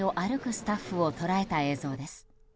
スタッフを捉えた映像です。